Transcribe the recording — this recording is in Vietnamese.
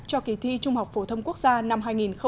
cho kỳ thi trung học phổ thông quốc gia năm hai nghìn một mươi chín